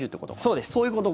そうです。